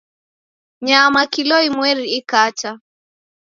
Nyama kilo imweri ikata